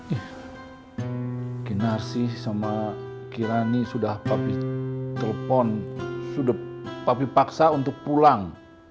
ih kinar sih sama kirani sudah papi telepon sudah papi paksa untuk pulang